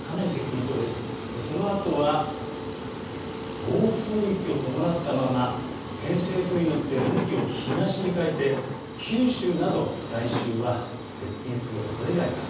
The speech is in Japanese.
そのあとは、暴風域を伴ったまま、偏西風に乗って向きを東に変えて、九州など、来週は接近するおそれがあります。